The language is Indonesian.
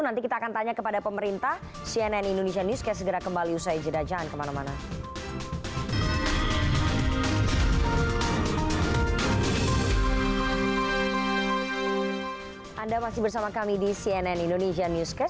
nanti kita akan tanya kepada pemerintah cnn indonesia news